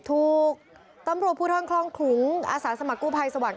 ถูกตำรวจผู้ท่อนคล่องขลุงอสานสมัครกู้ภัยสวรรค์